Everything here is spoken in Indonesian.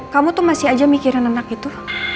kamu tuh masih aja mikirin anak itu